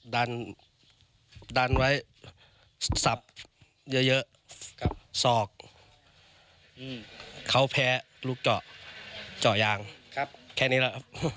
ดันดันไว้สับเยอะศอกเขาแพ้ลูกเจาะจ่อยางแค่นี้แหละครับ